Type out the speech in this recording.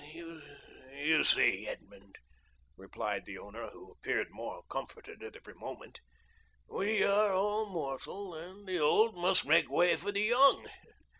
"Why, you see, Edmond," replied the owner, who appeared more comforted at every moment, "we are all mortal, and the old must make way for the young.